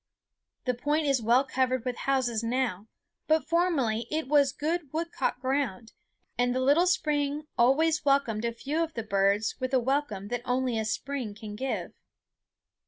The point is well covered with houses now, but formerly it was good woodcock ground, and the little spring always welcomed a few of the birds with the welcome that only a spring can give.